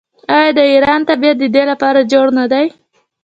آیا د ایران طبیعت د دې لپاره جوړ نه دی؟